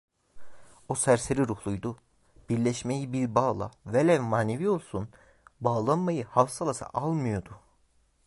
O serseri ruhluydu, birleşmeyi, bir bağla "velev manevi olsun" bağlanmayı havsalası almıyordu.